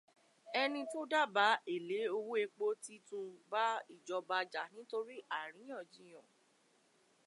Ẹni tó dábàá èlé owó epo ti tún bá ìjọba já nítorí àríyànjiyàn